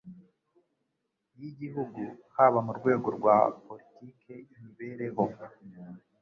y igihugu haba mu rwego rwa poritiki imibereho